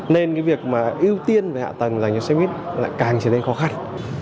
nên việc ưu tiên về hạ tầng là cho xe buýt càng trở nên khó khăn